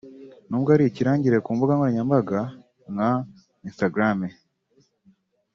n’ubwo ari ikirangirire ku mbuga nkoranyambaga nka Instagram